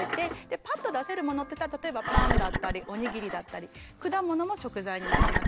パッと出せるものっていったら例えばパンだったりおにぎりだったり果物も食材になります。